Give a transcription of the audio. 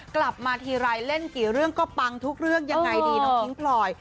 กลับมาทีไรเล่นกี่เรื่องก็ปังทุกเรื่องยังไงดีน้องพิ้งพลอย